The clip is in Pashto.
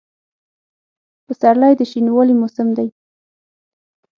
پسرلی د شنوالي موسم دی.